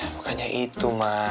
bukannya itu ma